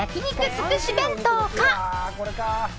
づくし弁当か。